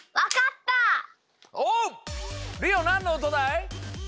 りおなんのおとだい？